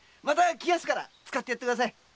また来ますから使ってください。